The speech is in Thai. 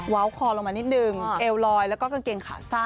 คอลงมานิดนึงเอวลอยแล้วก็กางเกงขาสั้น